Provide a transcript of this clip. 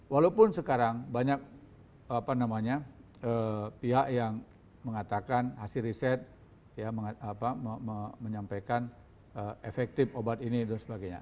walaupun sekarang banyak pihak yang mengatakan hasil riset menyampaikan efektif obat ini dan sebagainya